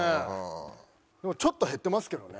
でもちょっと減ってますけどね。